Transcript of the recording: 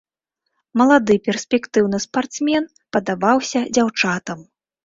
Малады перспектыўны спартсмен падабаўся дзяўчатам.